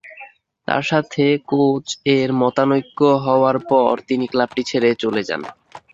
তার সাথে কোচ এর মতানৈক্য হওয়ার পর তিনি ক্লাবটি ছেড়ে চলে যান।